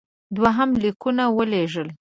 دوهم لیکونه ولېږل.